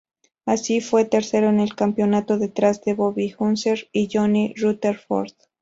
Así, fue tercero en el campeonato por detrás de Bobby Unser y Johnny Rutherford.